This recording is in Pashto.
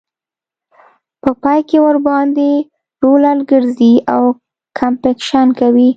په پای کې ورباندې رولر ګرځي او کمپکشن کوي